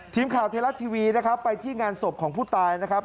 ทีมข่าวไทยรัฐทีวีนะครับไปที่งานศพของผู้ตายนะครับ